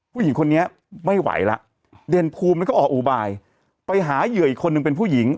ผู้หญิงคนนี้ไม่ไหวแล้วเด่นภูมิมันก็ออกอุบายไปหาเหยื่ออีกคนนึงเป็นผู้หญิง